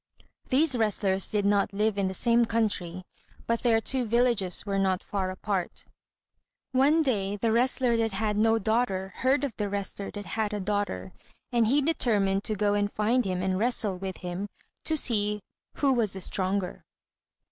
These wrestlers did not live in the same country, but their two villages were not far apart. One day the wrestler that had no daughter heard of the wrestler that had a daughter, and he determined to go and find him and wrestle with him, to see who was the stronger.